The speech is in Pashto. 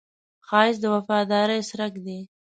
ښایست د وفادارۍ څرک دی